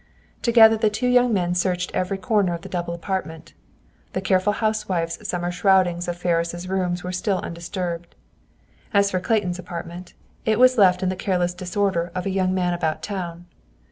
Together the two young men searched every corner of the double apartment. The careful housewife's summer shroudings of Ferris' rooms were still undisturbed. As for Clayton's apartment, it was left in the careless disorder of a young man about town.